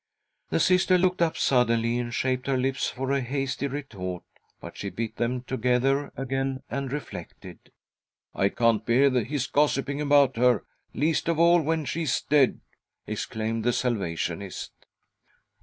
The Sister looked up suddenly and shaped her lips for a hasty retort, but she bit them together ' again and reflected. " I can't bear his gossiping about her — least of all when she is dead !" exclaimed the Salvationist.